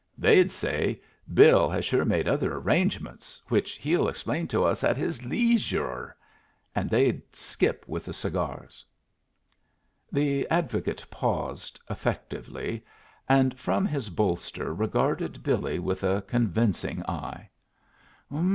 They'd say, 'Bill has sure made other arrangements, which he'll explain to us at his leesyure.' And they'd skip with the cigars." The advocate paused, effectively, and from his bolster regarded Billy with a convincing eye.